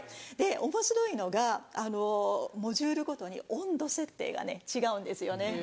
おもしろいのがモジュールごとに温度設定がね違うんですよね。